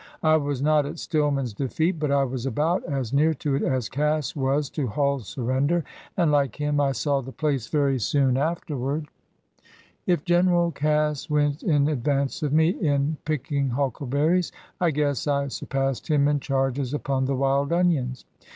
.. I was not at Stillman's defeat, but I was about as near to it as Cass was to Hull's surrender, and, like him, I saw the place very soon afterward. ... 47 LINCOLN THE LAWYER If General Cass went in advance of me in pick ing huckleberries, I guess I surpassed him in charges upon the wild onions.